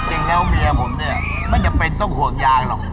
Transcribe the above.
จริงแล้วเมียผมเนี่ยไม่จำเป็นต้องห่วงยายหรอก